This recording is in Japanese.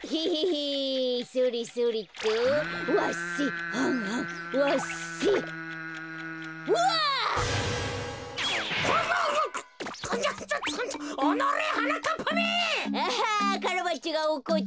アハカラバッチョがおこった。